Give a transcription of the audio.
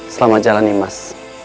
selamat jalan imas